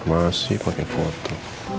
masih pake foto